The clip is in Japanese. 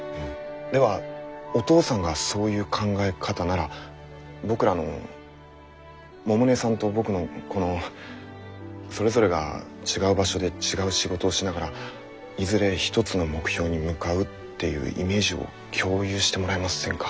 ではお父さんがそういう考え方なら僕らの百音さんと僕のこのそれぞれが違う場所で違う仕事をしながらいずれ一つの目標に向かうっていうイメージを共有してもらえませんか？